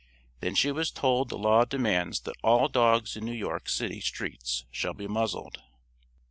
Then she was told the law demands that all dogs in New York City streets shall be muzzled.